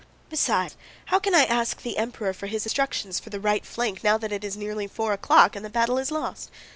"Besides how can I ask the Emperor for his instructions for the right flank now that it is nearly four o'clock and the battle is lost?